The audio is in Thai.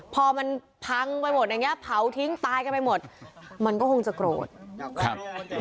พอมันพังไปหมดอย่างเงี้เผาทิ้งตายกันไปหมดมันก็คงจะโกรธครับ